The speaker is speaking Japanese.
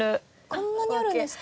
こんなにあるんですか？